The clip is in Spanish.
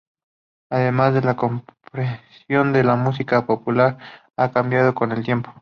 Además, la comprensión de la música popular ha cambiado con el tiempo.